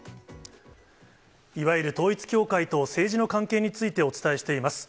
いわゆる統一教会と政治の関係についてお伝えしています。